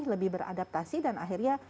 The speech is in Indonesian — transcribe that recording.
lebih beradaptasi dan akhirnya